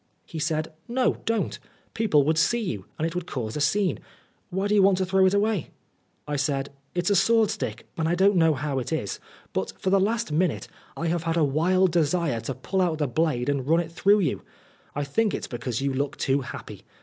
He said, " No, don't. People would see you, and it would cause a scene. Why do you want to throw it away ?" I said, "It's a swordstick ; and I don't know how it is, but for the last minute I have had a wild desire to pull out the blade and run it through you. I think it's because you look too happy.